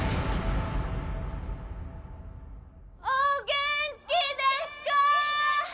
お元気ですかぁ！